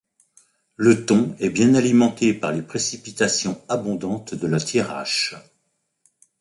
Le Thon est bien alimenté par les précipitations abondantes de la Thiérache.